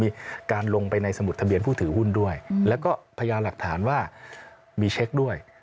มีการลงไปในสมุดทะเบียนผู้ถือหุ้นด้วยแล้วก็พยานหลักฐานว่ามีเช็คด้วย